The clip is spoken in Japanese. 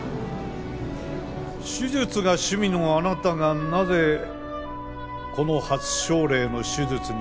手術が趣味のあなたがなぜこの初症例の手術に参加しないのですか？